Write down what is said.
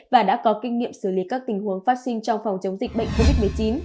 và đã có kinh nghiệm xử lý các tình huống phát sinh trong phòng chống dịch bệnh covid một mươi chín